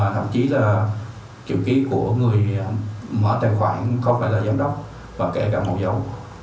thậm chí là triệu ký của người mở tài khoản không phải là giám đốc và kể cả màu dầu